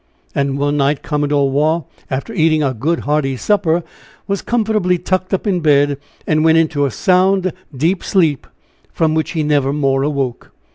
And one night Commodore Waugh, after eating a good, hearty supper, was comfortably tucked up in bed, and went into a sound, deep sleep from which he never more awoke.